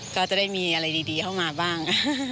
ก็จะได้มีอะไรดีเข้ามาบ้าง